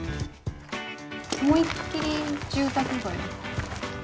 思いっきり住宅街。